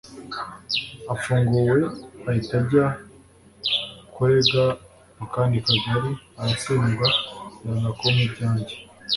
Afunguwe ahita ajya kurega mu kandi kagali aratsindwa yanga kumpa ibyanjye